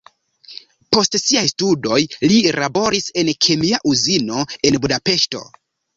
Post siaj studoj li laboris en kemia uzino en Budapeŝto.